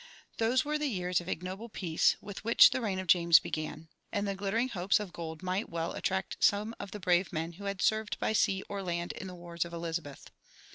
Those were the years of ignoble peace with which the reign of James began; and the glittering hopes of gold might well attract some of the brave men who had served by sea or land in the wars of Elizabeth.